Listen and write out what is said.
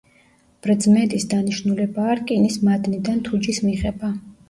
ბრძმედის დანიშნულებაა რკინის მადნიდან თუჯის მიღება.